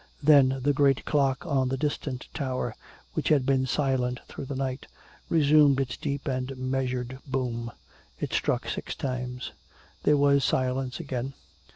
Then the great clock on the distant tower, which had been silent through the night, resumed its deep and measured boom. It struck six times. There was silence again.